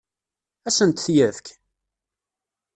Ad asent-t-yefk?